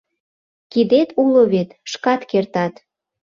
Кидет уло вет, шкат кертат...